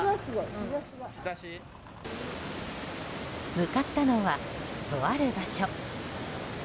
向かったのは、とある場所。